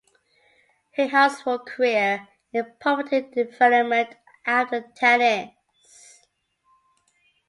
He hopes for a career in property development after tennis.